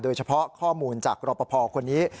โดยเฉพาะข้อมูลจากรอปภคนนี้